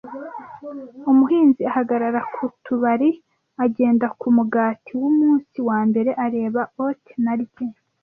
Umuhinzi ahagarara ku tubari agenda ku mugati wumunsi wa mbere areba oati na rye,